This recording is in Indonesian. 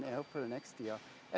di eropa tahun depan